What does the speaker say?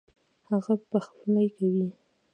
هغه پخلی کوي